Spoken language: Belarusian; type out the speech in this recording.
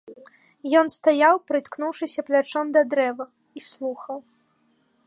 Ён стаяў, прыткнуўшыся плячом да дрэва, і слухаў.